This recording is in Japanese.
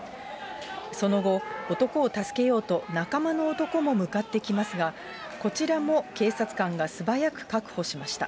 その後、男を助けようと、仲間の男も向かってきますが、こちらも警察官が素早く確保しました。